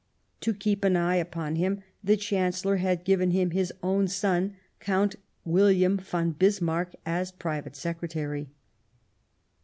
To keep an eye upon him, the Chancellor had given him his own son. Count William von Bismarck, as Private Secretary.